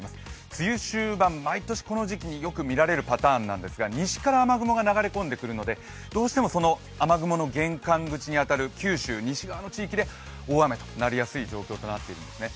梅雨終盤、毎年この時期によく見られるパターンなんですが、西から雨雲が流れ込んでくるのでどうしても雨雲の玄関口に当たる九州、西側の地域で大雨となりやすい状況になっているんですね。